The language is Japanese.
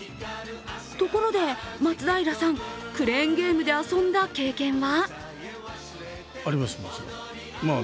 ところで松平さん、クレーンゲームで遊んだ経験は？